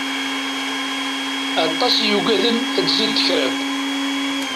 Aṭas i yugaden ad tzid tekriṭ.